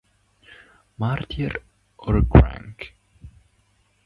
Martyr or Crank?